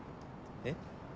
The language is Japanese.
えっ？